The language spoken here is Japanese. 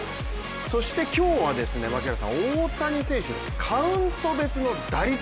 そして今日は、大谷選手カウント別の打率。